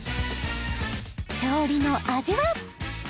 勝利の味は？